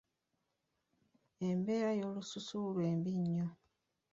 Embeera y'olususu lwe mbi nnyo.